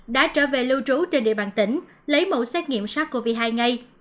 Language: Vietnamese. đã trở về lưu trú trên địa bàn tỉnh lấy mẫu xét nghiệm sars cov hai ngay